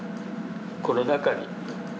この中に。